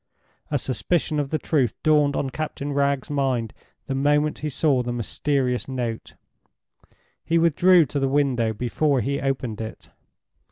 A suspicion of the truth dawned on Captain Wragge's mind the moment he saw the mysterious note. He withdrew to the window before he opened it.